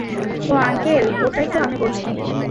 ও uncle, ওটাই তো আমি বলছি।